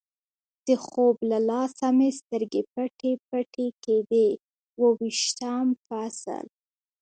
د خوب له لاسه مې سترګې پټې پټې کېدې، اوه ویشتم فصل.